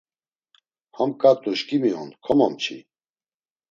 Ham ǩat̆u şǩimi on, komomçi.